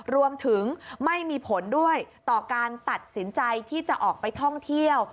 รวมถึงไม่มีผลด้วยต่อการตัดสินใจที่จะออกไปท่องเที่ยว